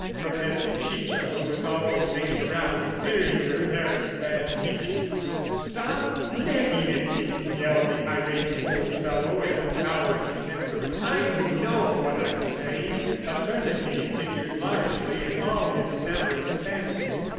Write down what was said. protested Chicha who was always hanging around, fearing her parent's bad teachings. "Stop nagging at me!" yelled the irate old fellow in a towering temper. "I know what I'm saying." Paternity figured largely in all his amorous fancies.